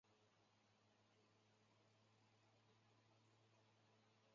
西兴街道是中国浙江省杭州市滨江区下辖的一个街道。